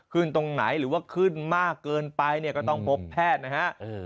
ตรงไหนหรือว่าขึ้นมากเกินไปเนี่ยก็ต้องพบแพทย์นะฮะ